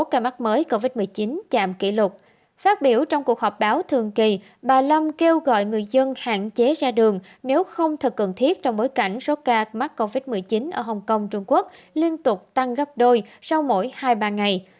chúng tôi kêu gọi người dân hạn chế ra đường nếu không thật cần thiết trong bối cảnh số ca mắc covid một mươi chín ở hong kong trung quốc liên tục tăng gấp đôi sau mỗi hai ba ngày